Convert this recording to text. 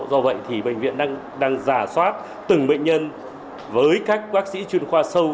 do vậy thì bệnh viện đang giả soát từng bệnh nhân với các bác sĩ chuyên khoa sâu